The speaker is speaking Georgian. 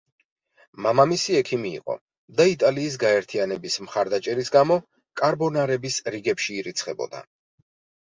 მამამისი ექიმი იყო და იტალიის გაერთიანების მხარდაჭერის გამო კარბონარების რიგებში ირიცხებოდა.